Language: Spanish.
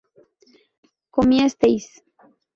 comisteis